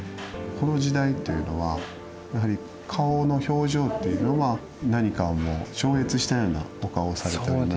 この時代っていうのはやはり顔の表情っていうのは何かをもう超越したようなお顔をされております。